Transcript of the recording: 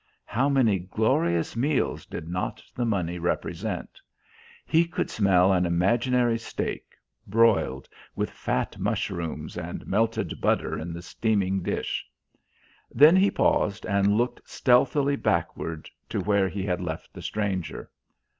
How many glorious meals did not the money represent? He could smell an imaginary steak, broiled, with fat mushrooms and melted butter in the steaming dish. Then he paused and looked stealthily backward to where he had left the stranger.